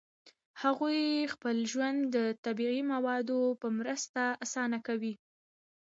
هغوی خپل ژوند د طبیعي موادو په مرسته اسانه کاوه.